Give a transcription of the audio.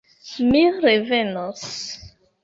Mi revenos.